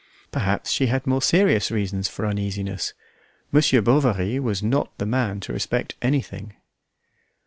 Perhaps she had more serious reasons for uneasiness. Monsieur Bovary was not the man to respect anything.